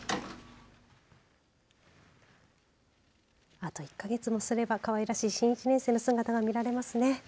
あと１か月もすればかわいらしい新１年生の姿が見られますね。